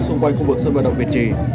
xung quanh khu vực sân vận động việt trì